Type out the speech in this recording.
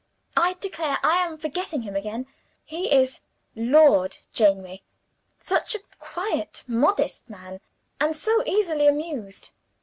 "I declare I am forgetting him again! He is Lord Janeaway. Such a quiet modest man, and so easily amused.